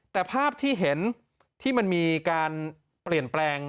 แต่ภาพที่เห็นที่มันมีการเปลี่ยนแปลง